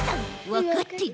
わかってる！